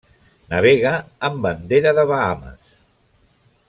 Navega amb bandera de Bahames.